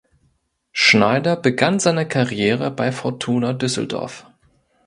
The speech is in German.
Schneider begann seine Karriere bei Fortuna Düsseldorf.